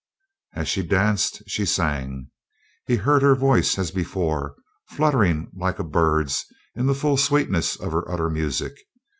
As she danced she sang. He heard her voice as before, fluttering like a bird's in the full sweetness of her utter music.